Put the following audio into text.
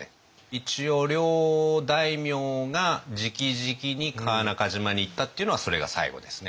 一応両大名が直々に川中島に行ったっていうのはそれが最後ですね。